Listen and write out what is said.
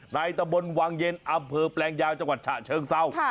ตะบนวังเย็นอำเภอแปลงยาวจังหวัดฉะเชิงเศร้า